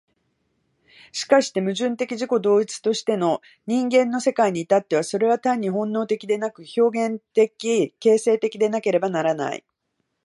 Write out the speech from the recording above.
しかして矛盾的自己同一としての人間の世界に至っては、それは単に本能的でなく、表現的形成的でなければならない。